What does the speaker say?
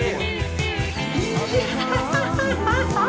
いや。